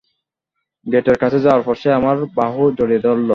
গেটের কাছে যাওয়ার পর সে আমার বাহু জড়িয়ে ধরল।